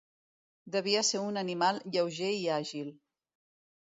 Devia ser un animal lleuger i àgil.